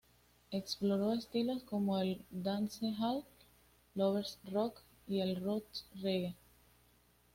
Exploró estilos como el dancehall, lovers rock y el roots reggae.